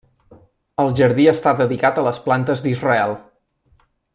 El jardí està dedicat a les plantes d'Israel.